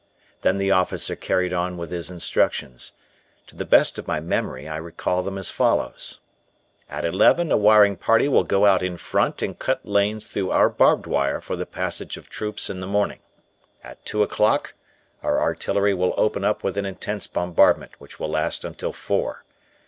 Then the officer carried on with his instructions. To the best of my memory I recall them as follows: "At eleven a wiring party will go out in front and cut lanes through our barbed wire for the passage of troops in the morning. At two o'clock our artillery will open up with an intense bombardment which will last until four.